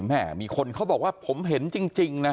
แม่มีคนเขาบอกว่าผมเห็นจริงนะ